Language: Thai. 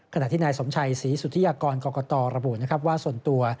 ขณะที่นายสมชัยศรีสุทธิากรกรตอระบุว่าส่วนตัว